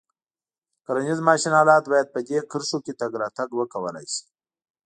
کرنیز ماشین آلات باید په دې کرښو کې تګ راتګ وکولای شي.